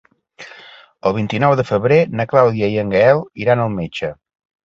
El vint-i-nou de febrer na Clàudia i en Gaël iran al metge.